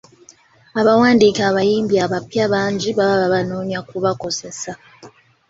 Abawandiika abayimbi abapya bangi baba babanoonya kubakozesa.